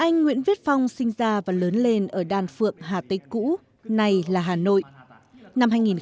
anh nguyễn viết phong sinh ra và lớn lên ở đan phượng hà tây cũ nay là hà nội